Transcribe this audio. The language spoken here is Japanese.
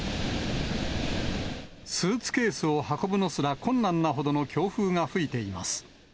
スーツケースを運ぶのすら困難なほどの強風が吹いています。